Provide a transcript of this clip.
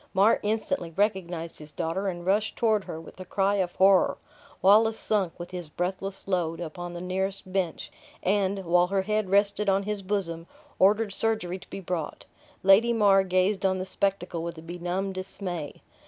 Mar instantly recognized his daughter, and rushed toward her with a cry of horror. Wallace sunk, with his breathless load, upon the nearest bench; and, while her head rested on his bosom, ordered surgery to be brought. Lady Mar gazed on the spectacle with a benumbed dismay.